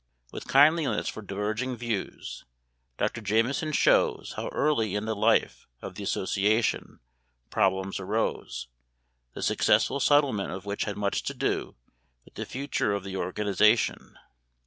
With kindliness for diverging views, Dr. Jameson shows how early in the life of the association problems arose, the successful settlement of which had much to do with the future of the organization.